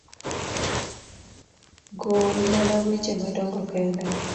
gol mana weche madongo kende.